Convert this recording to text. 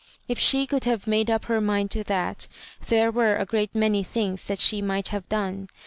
If she could have made up her mind to that, there 'were a great many thibgs that she might have done.